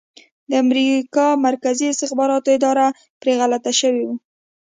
د امریکا مرکزي استخباراتو اداره پرې غلط شوي وو